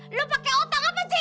lu pake utang apa gji